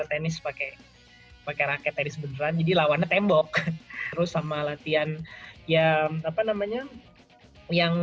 manis pakai pakai raket tadi sebenarnya di lawan tembok terus sama latihan yang apa namanya yang